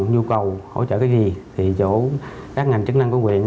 nhu cầu hỗ trợ cái gì thì chỗ các ngành chức năng của quyện